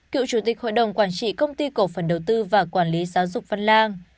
cựu chủ tịch hội đồng quản trị công ty cổ phần đầu tư và quản lý giáo dục văn lang